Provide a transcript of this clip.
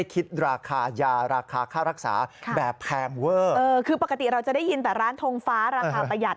คือปกติเราจะได้ยินแต่ร้านทงฟ้าราคาประหยัด